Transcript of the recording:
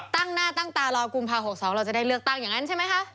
ตั้งหน้าตั้งตารอกุมภา๖๒เราจะได้เลือกตั้งอย่างนั้นใช่ไหมคะ